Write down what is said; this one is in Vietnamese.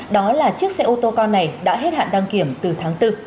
đó là chiếc xe ô tô con này đã hết hạn đăng kiểm từ tháng bốn